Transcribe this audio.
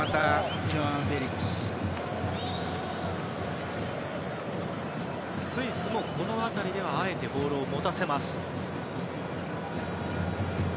スイスも、この辺りではあえてボールを持たせます。